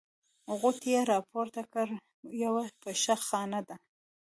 غوټې يې راپورته کړې: یوه پشه خانه ده.